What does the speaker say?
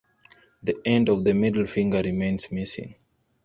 The end of the middle finger remains missing.